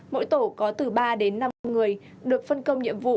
mỗi tổ có từ ba đến năm người được phân công nhiệm vụ